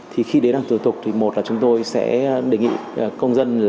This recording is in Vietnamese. thì khi đến đoàn tù tục thì một là chúng tôi sẽ đề nghị công dân